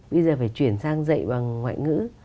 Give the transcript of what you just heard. bây giờ phải chuyển sang dạy bằng ngoại ngữ